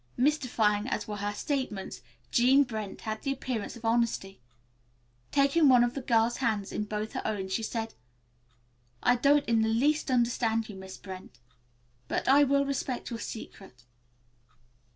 Mystifying as were her statements, Jean Brent had the appearance of honesty. Taking one of the girl's hands in both her own, she said, "I don't in the least understand you, Miss Brent, but I will respect your secret."